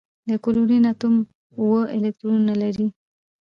د کلورین اتوم اوه الکترونونه لري.